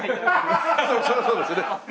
そりゃそうですよね。